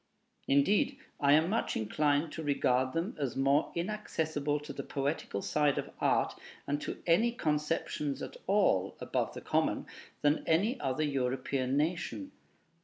Indeed, I am much inclined to regard them as more inaccessible to the poetical side of art, and to any conceptions at all above the common, than any other European nation.